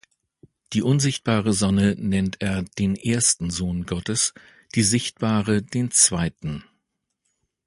Die unsichtbare Sonne nennt er den ersten Sohn Gottes, die sichtbare den zweiten.